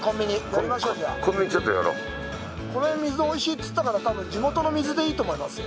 この辺、水おいしいっつったから多分、地元の水でいいと思いますよ。